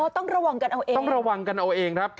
ต้องระวังกันเอาเอง